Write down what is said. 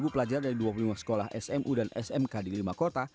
dua puluh pelajar dari dua puluh lima sekolah smu dan smk di lima kota